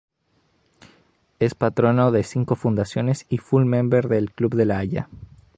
Es Patrono de cinco Fundaciones y Full Member del Club de la Haya.